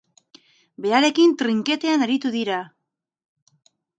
Berarekin, trinketean aritu dira.